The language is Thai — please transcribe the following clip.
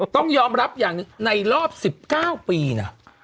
ต้องยอมรับอย่างหนึ่งในรอบสิบเก้าปีน่ะ